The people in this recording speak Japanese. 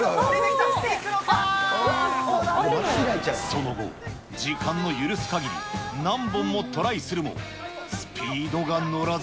その後、時間の許すかぎり、何本もトライするも、スピードが乗らず。